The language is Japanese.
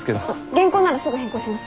原稿ならすぐ変更します。